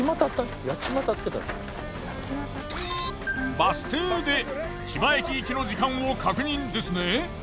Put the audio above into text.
バス停で千葉駅行きの時間を確認ですね？